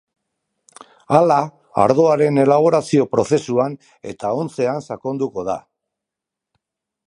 Hala, ardoaren elaborazio-prozesuan eta ontzean sakonduko da.